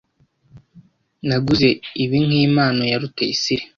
Naguze ibi nkimpano ya Rutayisire.